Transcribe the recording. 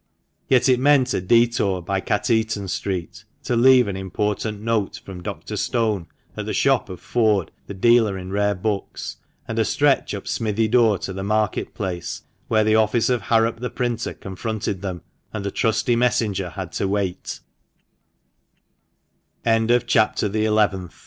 Yet it meant a detour by Cateaton Street, to leave an important note from Dr. Stone at the shop of Ford, the dealer in rare books, and a stretch up Smithy Door to the Market Place, where the office of Harrop the printer confronted them, and the trusty messenger had t